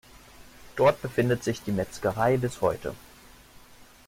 Dort befindet sich die Metzgerei bis heute.